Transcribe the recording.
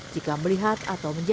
jika melihat atau menjaga